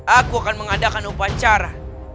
aku akan mengadakan upacara